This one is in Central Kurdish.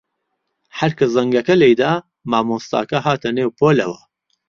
هەر کە زەنگەکە لێی دا، مامۆستاکە هاتە نێو پۆلەوە.